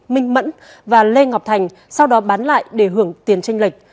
minh mẫn và lê ngọc thành sau đó bán lại để hưởng tiền tranh lệch